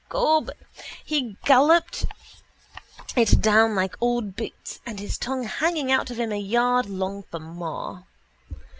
Gob, he golloped it down like old boots and his tongue hanging out of him a yard long for more.